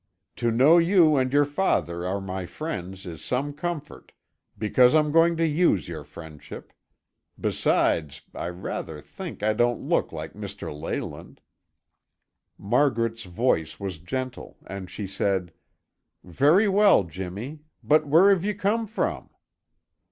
"To know you and your father are my friends is some comfort, because I'm going to use your friendship. Besides, I rather think I don't look like Mr. Leyland." Margaret's voice was gentle and she said, "Very well, Jimmy! But where have you come from?"